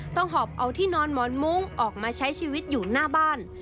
หอบเอาที่นอนหมอนมุ้งออกมาใช้ชีวิตอยู่หน้าบ้าน